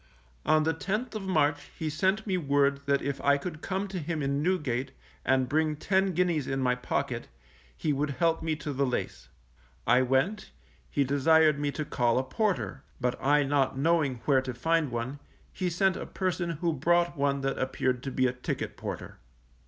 _ On the 10th of March he sent me word that if I could come to him in Newgate, and bring ten guineas in my pocket, he would help me to the lace. I went, he desired me to call a porter, but I not knowing where to find one, he sent a person who brought one that appeared to be a ticket porter.